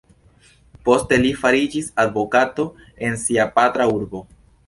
Poste li fariĝis advokato en sia patra urbo.